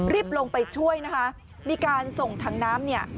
ลงไปช่วยนะคะมีการส่งถังน้ำเนี่ย